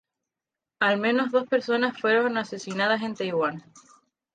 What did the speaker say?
Al menos dos personas fueron asesinadas en Taiwán.